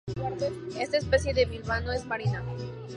Esta especie de bivalvo es marina.